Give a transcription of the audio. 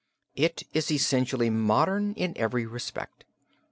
It is essentially modern in every respect.